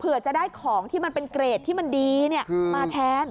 จะได้ของที่มันเป็นเกรดที่มันดีมาแทน